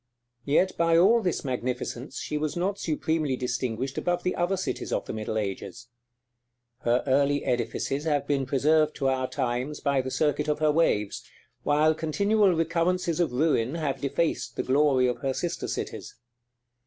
Yet by all this magnificence she was not supremely distinguished above the other cities of the middle ages. Her early edifices have been preserved to our times by the circuit of her waves; while continual recurrences of ruin have defaced the glory of her sister cities.